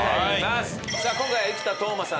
今回は生田斗真さん